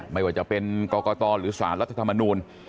ไม่ว่าจะเป็นกรกตหรือสารรัฐธรรมนูล